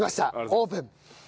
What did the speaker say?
オープン。